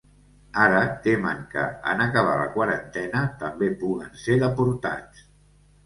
Ara temen que, en acabar la quarantena, també puguen ser deportats.